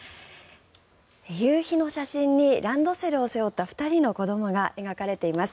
夕日の写真にランドセルを背負った２人の子どもが描かれています。